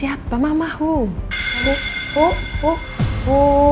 sama mama juga sus